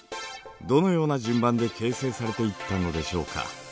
どのような順番で形成されていったのでしょうか。